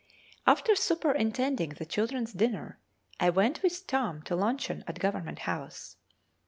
After superintending the children's dinner, I went with Tom to luncheon at Government House.